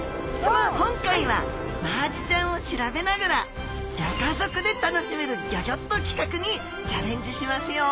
今回はマアジちゃんを調べながらギョ家族で楽しめるギョギョッと企画にチャレンジしますよ！